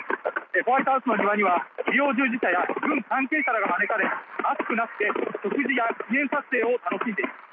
ホワイトハウスの庭には医療従事者や軍関係者が招かれ、マスクなしで食事や記念撮影を楽しんでいます。